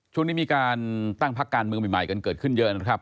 ช่วงนี้มีการตั้งพักการเมืองใหม่กันเกิดขึ้นเยอะนะครับ